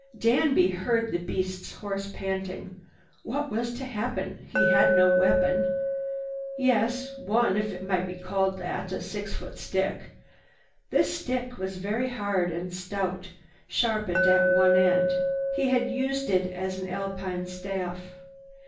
Danby heard the beast's hoarse panting. What was to happen? He had no weapon. Yes, one, if it might be called that—a six foot stick. This stick was very hard and stout, sharpened at one end. He had used it as an Alpine staff.